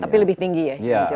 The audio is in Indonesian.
tapi lebih tinggi ya